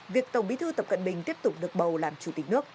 việc tổng bí thư tập cận bình tiếp tục được bầu làm chủ tịch nước